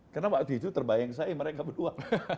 karena waktu itu terbayang saya mereka berdua